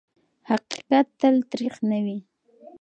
حقیقت تل تریخ نه وي.